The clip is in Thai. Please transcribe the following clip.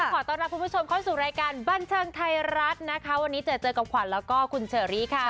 ขอต้อนรับคุณผู้ชมเข้าสู่รายการบันเทิงไทยรัฐนะคะวันนี้เจอเจอกับขวัญแล้วก็คุณเชอรี่ค่ะ